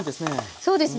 そうですね